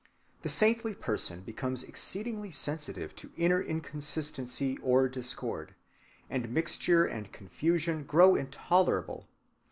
The saintly person becomes exceedingly sensitive to inner inconsistency or discord, and mixture and confusion grow intolerable.